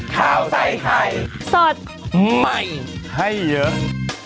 สวัสดีครับ